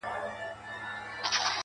محبت يې د اوبو په اهتزاز دی~